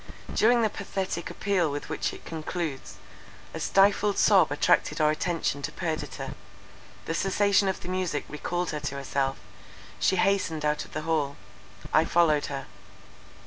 During the pathetic appeal with which it concludes, a stifled sob attracted our attention to Perdita, the cessation of the music recalled her to herself, she hastened out of the hall—I followed her.